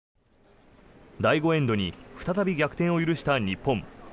第５エンドに再び逆転を許した日本。